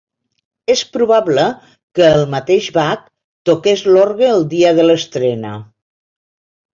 És probable que el mateix Bach toqués l'orgue el dia de l'estrena.